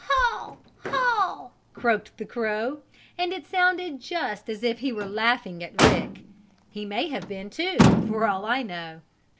"Haw! Haw!" croaked the crow, and it sounded just as if he were laughing at Rick. He may have been, too, for all I know.